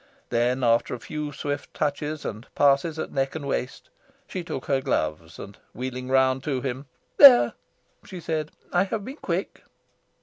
Then, after a few swift touches and passes at neck and waist, she took her gloves and, wheeling round to him, "There!" she said, "I have been quick."